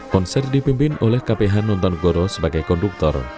konser dipimpin oleh kph nonton goro sebagai konduktor